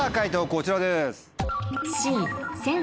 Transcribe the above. こちらです。